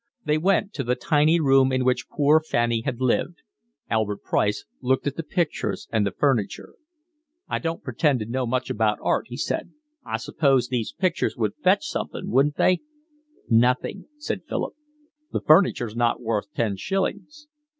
They went to the tiny room in which poor Fanny had lived. Albert Price looked at the pictures and the furniture. "I don't pretend to know much about art," he said. "I suppose these pictures would fetch something, would they?" "Nothing," said Philip. "The furniture's not worth ten shillings."